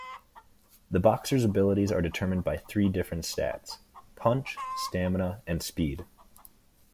The boxer's abilities are determined by three different stats; punch, stamina, and speed.